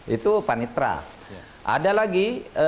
itu panitra ada lagi